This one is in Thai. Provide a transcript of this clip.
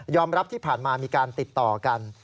รับที่ผ่านมามีการติดต่อกัน